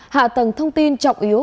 hạ tầng thông tin trọng yếu